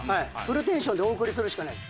フルテンションでお送りするしかない。